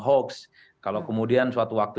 hoax kalau kemudian suatu waktu